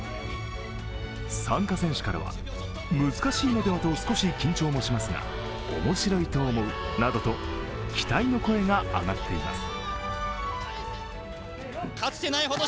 参加選手からは、難しいのではと少し緊張もしますが面白いと思うなどと期待の声が上がっています。